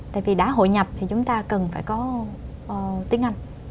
tại vì đã hội nhập thì chúng ta cần phải có tiếng anh